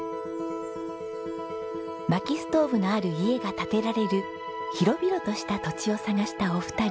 薪ストーブのある家が建てられる広々とした土地を探したお二人。